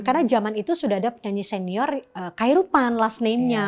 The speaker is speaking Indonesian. karena zaman itu sudah ada penyanyi senior khairupan last namenya